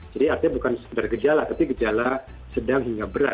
jadi artinya bukan seder gejala tapi gejala sedang hingga berat